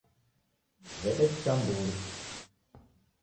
W'edesicha mburi.